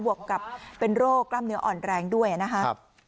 วกกับเป็นโรคกล้ามเนื้ออ่อนแรงด้วยนะครับ